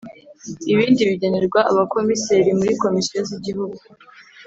Ibindi bigenerwa Abakomiseri muri Komisiyo z Igihugu